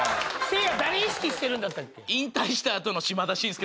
せいや誰意識してるんだったっけ？